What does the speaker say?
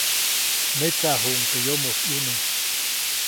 Metsaʼajuʼuŋ teʼ yomoʼis ʼyune.